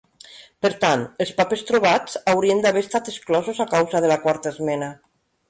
Per tant, els papers trobats haurien d'haver estat exclosos a causa de la Quarta esmena.